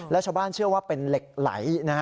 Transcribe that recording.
และชาวบ้านเชื่อว่าเป็นเหล็กไหลนะฮะ